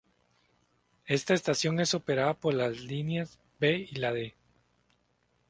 Esta estación es operada por las líneas B y la D,